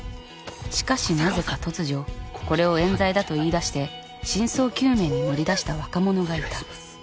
しかしなぜか突如これをえん罪だと言いだして真相究明に乗り出した若者がいた。